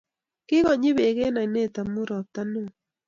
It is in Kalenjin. kokonyi bek eng ainet amun ropta neo